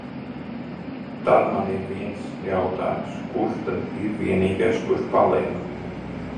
Tad man ir viens jautājums: kurš tad ir vienīgais, kurš paliek?